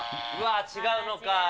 違うのか。